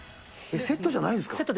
セットじゃないんですか。